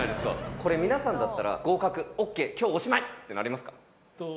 これ皆さんだったら「合格ＯＫ！今日おしまい！」ってなりますか？